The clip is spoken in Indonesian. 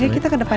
kita ke depan ya